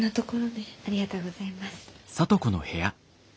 ありがとうございます。